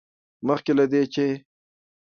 مخکې له دې، چې